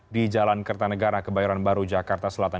di jalan kertanegara kebayoran baru jakarta selatan